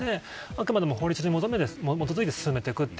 あくまでも法律に基づいて進めていく。